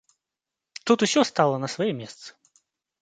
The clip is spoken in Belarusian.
Тут усё стала на свае месцы.